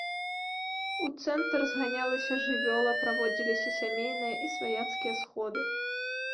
У цэнтр зганялася жывёла, праводзіліся сямейныя і сваяцкія сходы.